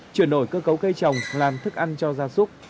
chuyển nổi cơ cấu cây trồng làm thức ăn cho da súc